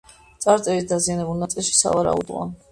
წარწერის დაზიანებულ ნაწილში, სავარაუდოა.